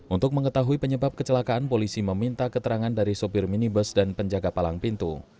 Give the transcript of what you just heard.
untuk mengetahui penyebab kecelakaan polisi meminta keterangan dari sopir minibus dan penjaga palang pintu